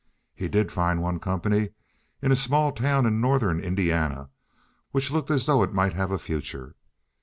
He did find one company in a small town in northern Indiana which looked as though it might have a future.